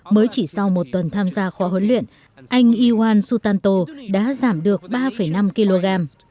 mới chỉ sau một tuần tham gia khóa huấn luyện anh iwan sutanto đã giảm được ba năm kg